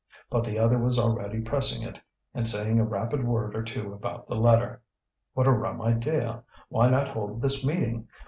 But the other was already pressing it, and saying a rapid word or two about the letter. What a rum idea! Why not hold this meeting?